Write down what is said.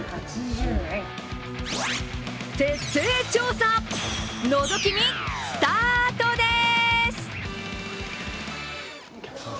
徹底調査、のぞき見スタートです。